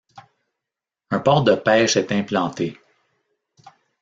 Un port de pêche est implanté.